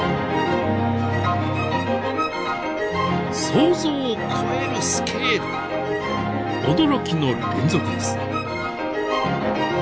想像を超えるスケール驚きの連続です。